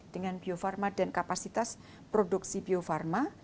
dengan bio farma dan kapasitas produksi bio farma